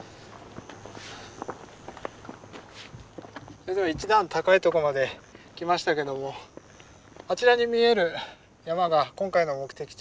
それでは一段高いとこまで来ましたけどもあちらに見える山が今回の目的地